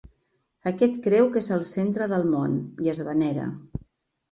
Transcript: Aquest creu que és el centre del món i es venera.